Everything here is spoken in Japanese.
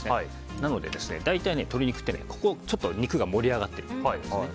なので、大体鶏肉って肉が盛り上がってるところがあるんですね。